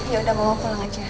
yaudah mama pulang aja